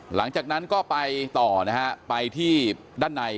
หลังจากนั้นก็ไปต่อนะฮะไปที่ด้านใน